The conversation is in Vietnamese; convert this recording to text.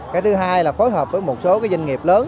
cái thứ hai là phối hợp với một số doanh nghiệp lớn